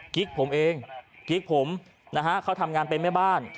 กิ๊กผมเองกิ๊กผมนะฮะเขาทำงานเป็นแม่บ้าน